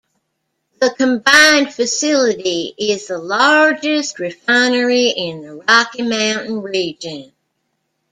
The combined facility is the largest refinery in the Rocky Mountain region.